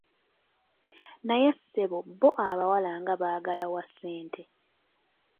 Naye ssebo bbo abawala nga baagala wa ssente.